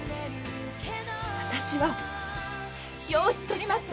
私は養子とります。